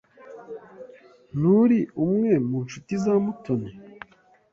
Nturi umwe mu nshuti za Mutoni?